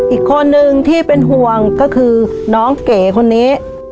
อีกคนนึงที่เป็นห่วงก็คือน้องเก๋คนนี้